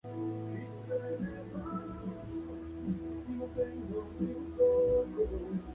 El sabor es ligeramente salado, con un característico punto de acidez.